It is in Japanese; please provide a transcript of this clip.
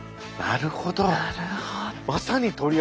なるほど。